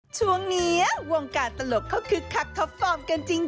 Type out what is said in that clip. ช่วงนี้วงการตลกเขาคึกคักท็อปฟอร์มกันจริง